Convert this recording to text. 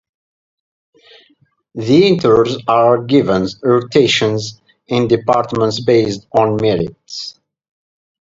The interns are given rotations in departments based on merit.